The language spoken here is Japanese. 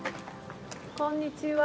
こんにちは。